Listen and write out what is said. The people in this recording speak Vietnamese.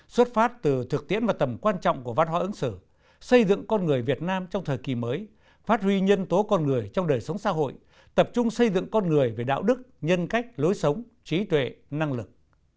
xuất phát từ thực tiễn và tầm quan trọng của văn hóa ứng xử xây dựng con người việt nam trong thời kỳ mới phát huy nhân tố con người trong đời sống xã hội tập trung xây dựng con người về đạo đức nhân cách lối sống trí tuệ năng lực